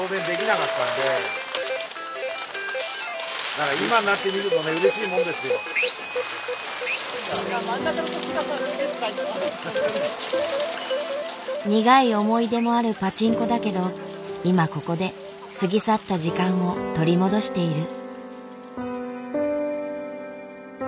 だからよく苦い思い出もあるパチンコだけど今ここで過ぎ去った時間を取り戻している。